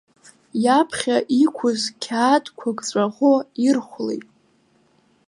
Иаԥхьа иқәыз қьаадқәак ҵәаӷәо ирхәлеит.